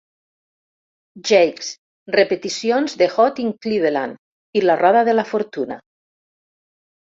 Jakes, repeticions de "Hot in Cleveland", i "la Roda de la Fortuna".